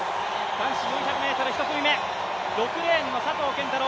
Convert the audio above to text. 男子４００ｍ１組目、６レーンの佐藤拳太郎